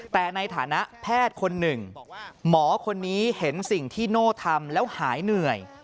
แต่ในฐานะแพทย์คนหนึ่งหมอคนนี้เห็นสิ่งที่โน่ทำแล้วหายเหนื่อย